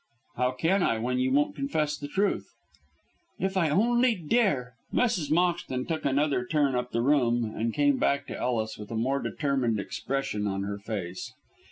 "How can I when you won't confess the truth?" "If I only dare!" Mrs. Moxton took another turn up the room, and came back to Ellis with a more determined expression on her face.